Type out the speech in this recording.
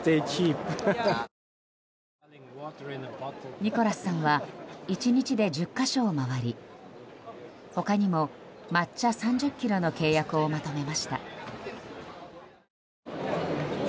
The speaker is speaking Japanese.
ニコラスさんは１日で１０か所を回り他にも、抹茶３０ｋｇの契約をまとめました。